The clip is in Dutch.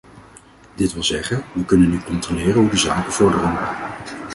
Dit wil zeggen, we kunnen nu controleren hoe de zaken vorderen.